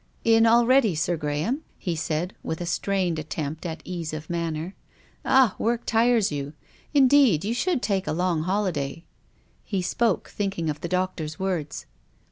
*' In already, Sir Graham ?" he said, with a strained attempt at ease of manner. " Ah ! work tires you. Indeed you should take a long holi day." He spoke, thinking of the doctor's words.